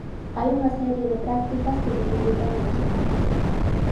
Hai unha serie de prácticas que dificultan o noso labor.